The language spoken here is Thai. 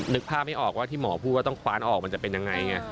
นึกภาพไม่ออกว่าที่หมอพูดว่าต้องคว้านออกมันจะเป็นยังไงไง